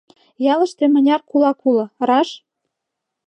Ялыште мыняр кулак уло, раш?